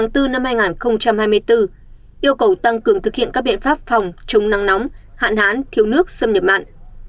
yêu cầu tăng cường thực hiện các biện pháp phòng chống nắng nóng hạn hán thiếu nước xâm nhập mặn